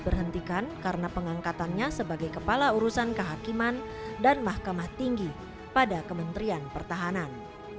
berhentikan karena pengangkatannya sebagai kepala urusan kehakiman dan mahkamah tinggi pada kementerian pertahanan